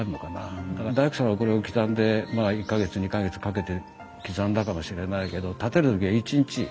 だから大工さんはこれを刻んでまあ１か月２か月かけて刻んだかもしれないけど建てる時は１日。